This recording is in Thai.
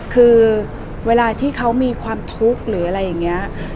คือเวลาที่เขามีความทุกข์หรืออะไรอย่างนี้